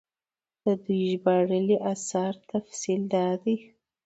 د دوي ژباړلي اثارو تفصيل دا دی